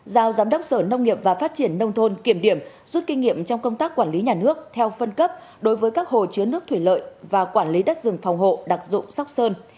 giao giám đốc sở nông nghiệp và phát triển nông thôn kiểm điểm rút kinh nghiệm trong công tác quản lý nhà nước theo phân cấp đối với các hồ chứa nước thủy lợi và quản lý đất rừng phòng hộ đặc dụng sóc sơn